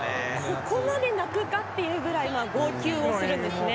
ここまで泣くかっていうぐらい号泣をするんですね。